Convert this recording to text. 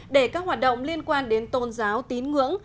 để các hoạt động liên quan đến tôn giáo tín ngưỡng